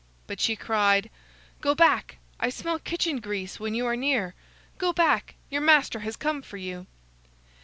But she cried: "Go back! I smell kitchen grease when you are near. Go back! your master has come for you."